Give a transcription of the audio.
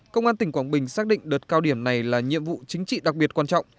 công an tỉnh quảng bình xác định đợt cao điểm này là nhiệm vụ chính trị đặc biệt quan trọng